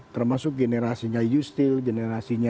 termasuk generasinya yustil generasinya